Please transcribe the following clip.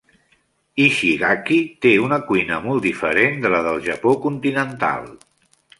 Ishigaki té una cuina molt diferent de la del Japó continental.